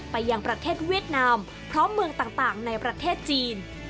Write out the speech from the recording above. ยังประเทศเวียดนามพร้อมเมืองต่างในประเทศจีน